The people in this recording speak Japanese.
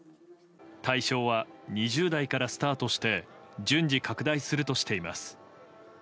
対象は２０代からスタートして順次拡大するとしています。